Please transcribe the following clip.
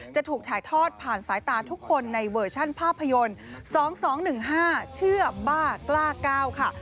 จะถูกถ่ายทอดผ่านสายตาทุกคนในเวอร์ชันภาพยนตร์๒๒๑๕เชื่อบ้ากล้า๙ค่ะ